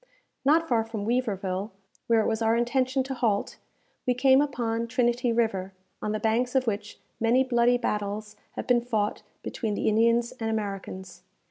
Not far from Weaverville, where it was our intention to halt, we came upon Trinity River, on the banks of which many bloody battles have been fought between the Indians and Americans.